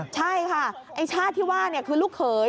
ใช่ค่ะไอ้ชาติที่ว่าคือลูกเขย